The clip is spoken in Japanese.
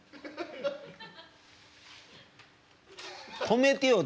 止めてよ